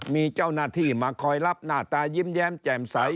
มีเจ้าหน้าที่มาคอยรับหน้าตายิ้มแย้มแจ่มใส